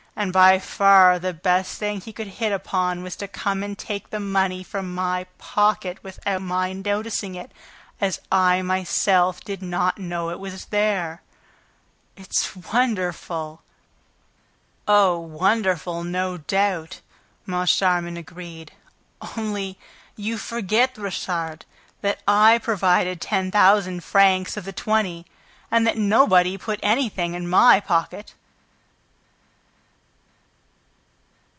And by far the best thing he could hit upon was to come and take the money from my pocket without my noticing it, as I myself did not know that it was there. It's wonderful!" "Oh, wonderful, no doubt!" Moncharmin agreed. "Only, you forget, Richard, that I provided ten thousand francs of the twenty and that nobody put anything in my pocket!"